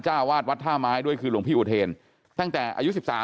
วาดวัดท่าไม้ด้วยคือหลวงพี่อุเทนตั้งแต่อายุ๑๓